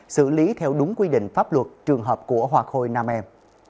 xử lý theo đúng quy định pháp luật trường hợp của hoa khôi nam em